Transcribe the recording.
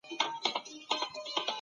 زما معصومي نوریې